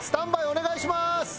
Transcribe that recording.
お願いします